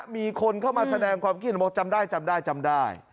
มีคนเข้ามาแสดงความคิดเห็นบอกจำได้จำได้จำได้